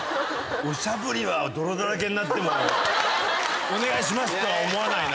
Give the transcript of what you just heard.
おしゃぶりは泥だらけになってもお願いしますとは思わないな。